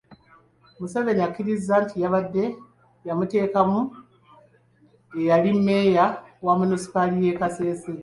Museveni akkiriza nti yabadde yamuteekamu eyali mmeeya wa munisipaali y’e Kasese.